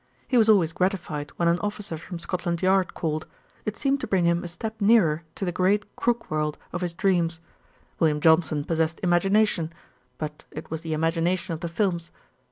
He was always gratified when an officer from Scotland Yard called; it seemed to bring him a step nearer to the great crook world of his dreams. William Johnson possessed imagination; but it was the imagination of the films.